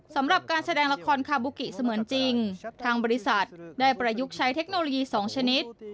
สำหรับการแสดงละครคาบูกิเสมือนจริงทางบริษัทได้ประยุกต์ใช้เทคโนโลยีสองชนิด